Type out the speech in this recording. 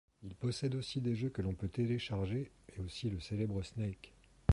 Il possède aussi des jeux que l'on peut télécharger et aussi le célèbre Snake.